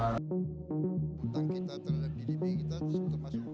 untuk kita terlebih lebih kita harus masuk ke jawa tengah